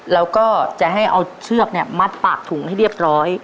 แล้วก็จะให้เอาเชือกมัดปากถุงให้เรียบร้อย